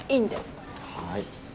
はい。